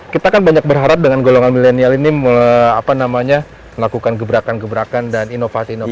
kita kan banyak berharap dengan golongan milenial ini melakukan gebrakan gebrakan dan inovasi inovasi